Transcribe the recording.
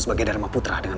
sebagai darma putra dengan